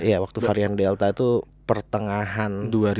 iya waktu varian delta itu pertengahan